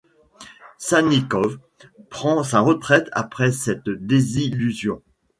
Salnikov prend sa retraite après cette désillusion.